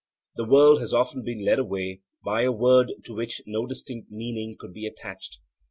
The world has often been led away by a word to which no distinct meaning could be attached.